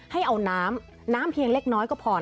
ให้เอาน้ำเครียงเล็กน้อยก็พอ